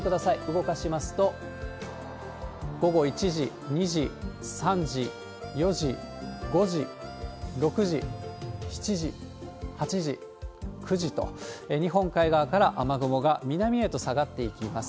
動かしますと、午後１時、２時、３時、４時、５時、６時、７時、８時、９時と、日本海側から雨雲が南へと下がっていきます。